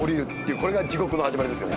これが地獄の始まりですよね。